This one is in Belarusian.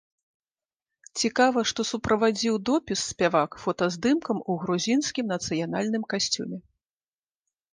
Цікава, што суправадзіў допіс спявак фотаздымкам у грузінскім нацыянальным касцюме.